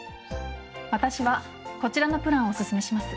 私はこちらのプランをおすすめします。